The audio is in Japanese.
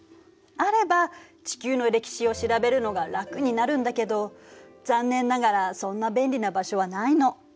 あれば地球の歴史を調べるのが楽になるんだけど残念ながらそんな便利な場所はないの。